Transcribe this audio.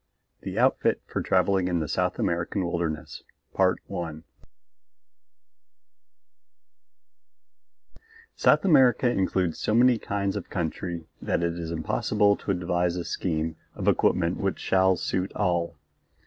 The Outfit for Travelling in the South American Wilderness South America includes so many different kinds of country that it is impossible to devise a scheme of equipment which shall suit all.